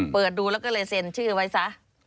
เปิดดูแล้วก็เลยเซ็นชื่อไว้ซะ